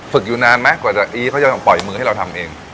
อยู่นานไหมกว่าจะอีทเขาจะต้องปล่อยมือให้เราทำเอง